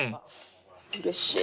うれしい。